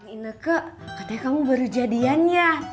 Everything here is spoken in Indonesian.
ineke katanya kamu baru jadiannya